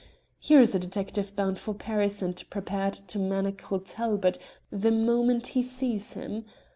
Here's a detective bound for Paris and prepared to manacle Talbot the moment he sees him.